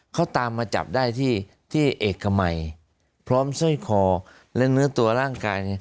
เขาตามมาจับได้ที่เอกมัยพร้อมสร้อยคอและเนื้อตัวร่างกาย